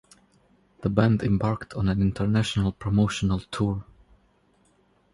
The band embarked on an international promotional tour.